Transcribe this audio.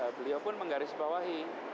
beliau pun menggarisbawahi